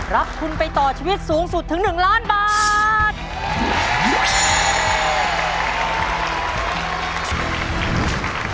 รับทุนไปต่อชีวิตสูงสุดถึง๑ล้านบาท